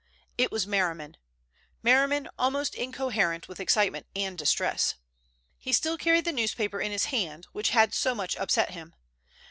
It was Merriman—Merriman almost incoherent with excitement and distress. He still carried the newspaper in his hand, which had so much upset him.